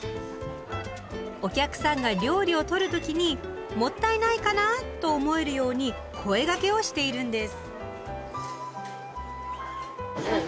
お客さんが料理を取る時に「もったいない」かな？と思えるように声がけをしているんです。